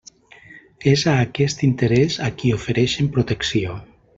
És a aquest interès a qui ofereixen protecció.